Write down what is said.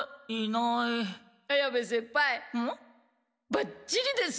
ばっちりです！